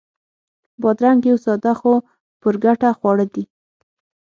بادرنګ یو ساده خو پُرګټه خواړه دي.